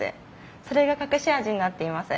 それが隠し味になっています。